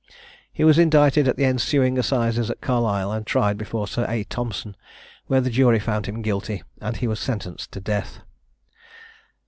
He was indicted at the ensuing assizes at Carlisle, and tried before Sir A. Thompson, when the jury found him guilty, and he was sentenced to death.